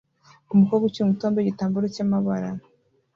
Umukobwa ukiri muto wambaye igitambaro cyamabara